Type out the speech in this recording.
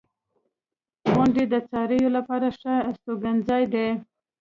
• غونډۍ د څارویو لپاره ښه استوګنځای دی.